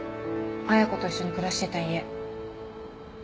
彩子と一緒に暮らしてた家。